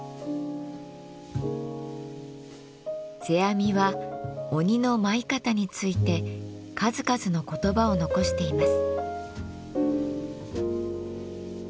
世阿弥は鬼の舞い方について数々の言葉を残しています。